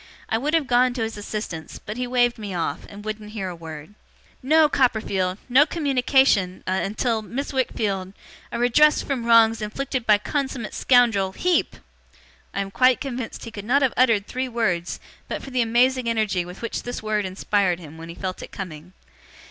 I would have gone to his assistance, but he waved me off, and wouldn't hear a word. 'No, Copperfield! No communication a until Miss Wickfield a redress from wrongs inflicted by consummate scoundrel HEEP!' (I am quite convinced he could not have uttered three words, but for the amazing energy with which this word inspired him when he felt it coming.)